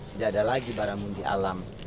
tidak ada lagi baramundi alam